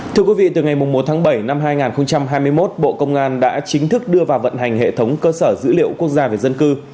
thưa quý vị từ ngày một tháng bảy năm hai nghìn hai mươi một bộ công an đã chính thức đưa vào vận hành hệ thống cơ sở dữ liệu quốc gia về dân cư